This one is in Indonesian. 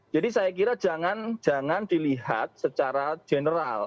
jadi saya kira jangan jangan dilihat secara general